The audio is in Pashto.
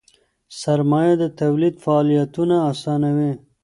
سرمایه د تولید فعالیتونه آسانوي.